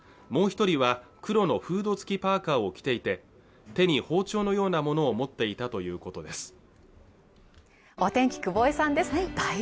もう一人は黒のフード付きパーカーを着ていて手に包丁のようなものを持っていたということです